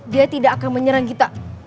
dia tidak akan menyerang kita